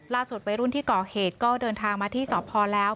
ล่าสุดไว้รุ่นที่ก่อเหตุก็เดินทางมาที่สอบพอแล้ว